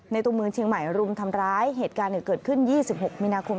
ในตรงเมืองเชียงใหม่รุมทำร้ายเหตุการณ์เนี่ยเกิดขึ้นยี่สิบหกมินาคม